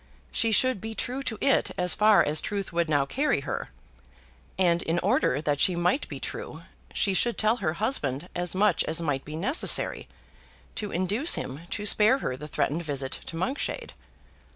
She should be true to it as far as truth would now carry her. And in order that she might be true, she should tell her husband as much as might be necessary to induce him to spare her the threatened visit to Monkshade.